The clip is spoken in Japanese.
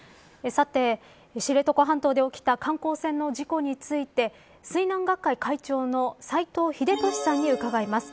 さて、知床半島で起きた観光船の事故について水難学会会長の斎藤秀俊さんに伺います。